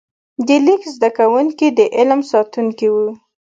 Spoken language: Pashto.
د لیک زده کوونکي د علم ساتونکي وو.